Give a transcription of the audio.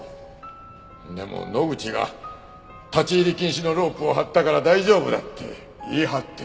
でも野口が「立ち入り禁止のロープを張ったから大丈夫だ」って言い張って。